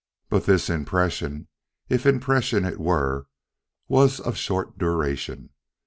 But this impression, if impression it were, was of short duration.